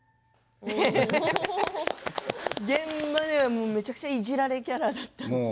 現場ではめちゃくちゃいじられキャラだったんですね。